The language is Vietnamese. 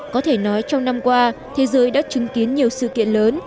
có thể nói trong năm qua thế giới đã chứng kiến nhiều sự kiện lớn